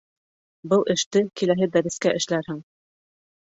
Был эште киләһе дәрескә эшләрһең